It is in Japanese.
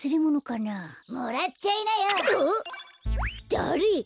だれ？